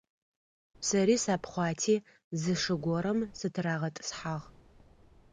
Сэри сапхъуати зы шы горэм сытырагъэтӏысхьагъ.